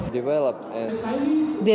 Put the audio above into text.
việc triển bá công nghệ